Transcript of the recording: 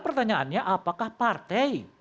pertanyaannya apakah partai